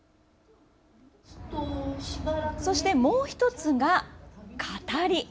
そしてもう１つが語り。